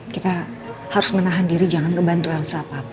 kita harus menahan diri jangan ngebantu elsa apa apa